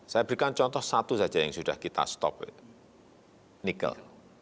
saya berikan contoh satu saja yang sudah kita stop nikel